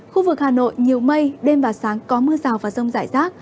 khu vực hà nội nhiều mây đêm và sáng có mưa rào và rông rải rác